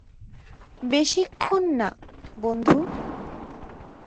বেশিক্ষণ না, বন্ধু।